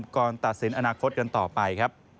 ก่อนตัดสินอนาคตกันต่อไปครับ